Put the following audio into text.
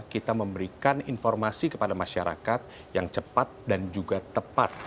kita memberikan informasi kepada masyarakat yang cepat dan juga tepat